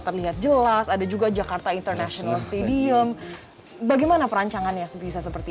terlihat jelas ada juga jakarta international stadium bagaimana perancangannya bisa seperti